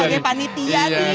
sebagai panitia nih